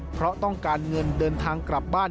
เพราะต้องการเงินเดินทางกลับบ้าน